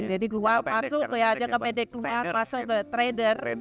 jadi keluar masuk ke p d keluar masuk ke trader